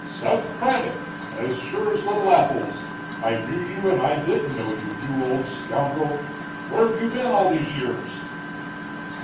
"Seth Craddock, as sure as little apples! I knew you, and I didn't know you, you old scoundrel! Where have you been all these years?"